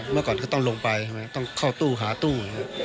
เมื่อก่อนก็ต้องลงไปใช่ไหมต้องเข้าตู้หาตู้